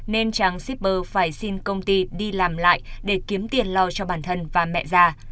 nên tráng shipper phải xin công ty đi làm lại để kiếm tiền lo cho bản thân và mẹ già